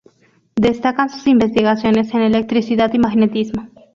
Destacan sus investigaciones en electricidad y magnetismo.